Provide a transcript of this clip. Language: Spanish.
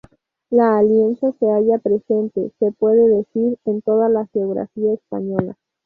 La Alianza se halla presente, se puede decir, en toda la geografía española.